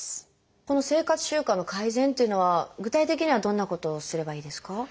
この生活習慣の改善というのは具体的にはどんなことをすればいいですか？